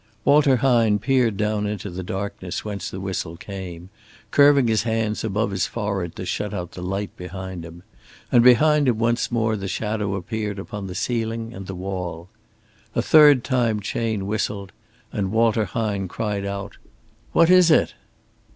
Walter Hine peered down into the darkness whence the whistle came, curving his hands above his forehead to shut out the light behind him; and behind him once more the shadow appeared upon the ceiling and the wall. A third time Chayne whistled; and Walter Hine cried out: "What is it?"